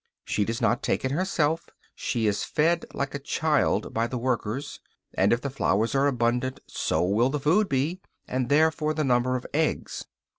She does not take it herself; she is fed like a child by the workers. And if flowers are abundant, so will the food be, and therefore the number of eggs.